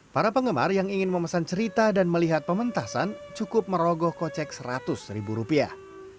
para penggemar yang ingin memesan cerita dan melihat pementasan cukup merogoh kocek seratus ribu rupiah